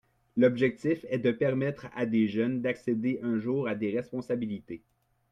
L’objectif est de permettre à des jeunes d’accéder un jour à des responsabilités.